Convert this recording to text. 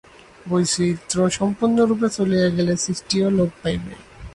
বৈচিত্র্য সম্পূর্ণরূপে চলিয়া গেলে সৃষ্টিও লোপ পাইবে।